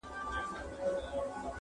هم په عمر يمه مشر هم سردار يم٫